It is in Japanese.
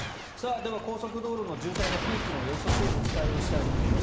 では高速道路の渋滞のピークの予測をお伝えしたいと思います。